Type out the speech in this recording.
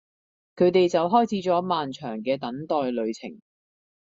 佢哋就開始咗漫長嘅等待旅程